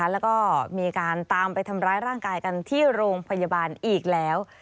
แล้วก็มีการตามไปทำร้ายร่างกายกันที่โรงพยาบาลอีกแล้ว